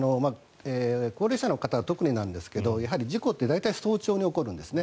高齢者の方は特になんですがやはり事故って大体早朝に起こるんですね。